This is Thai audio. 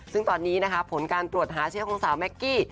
ซึ่งตอนนี้นะคะผลการตรวจหาเชื้อของสาวแม็กกี้